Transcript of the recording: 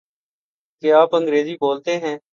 کیا آپ انگریزی بولتے ہیں؟